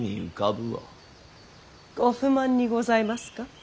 ご不満にございますか。